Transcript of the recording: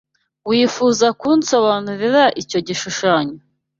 Wifuza kunsobanurira icyo gishushanyo?